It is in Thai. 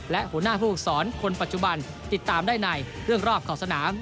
และหัวหน้าผู้ฝึกศรคนปัจจุบันติดตามได้ในเรื่องรอบขอบสนาม